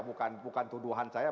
bukan tuduhan saya